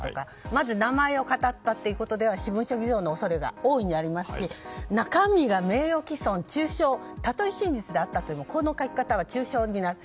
まず名前をかたったということで私文書偽造の恐れがありますし中身が名誉毀損、中傷たとえ真実であったとしてもこの書き方は中傷になる。